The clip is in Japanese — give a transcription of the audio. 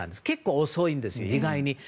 結構、遅いんです、意外に。